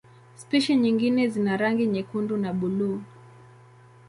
Spishi nyingine zina rangi nyekundu na buluu.